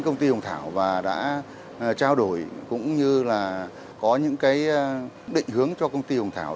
công ty hùng tháo và đã trao đổi cũng như là có những cái định hướng cho công ty hùng tháo